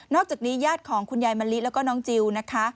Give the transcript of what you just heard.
อกจากนี้ญาติของคุณยายมะลิแล้วก็น้องจิลนะคะ